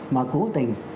mà cố tình